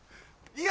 いや！